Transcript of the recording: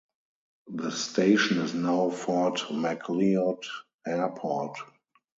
The station is now Fort Macleod Airport.